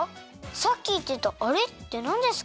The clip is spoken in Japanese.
さっきいってたあれってなんですか？